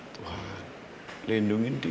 tuhan lindungi dia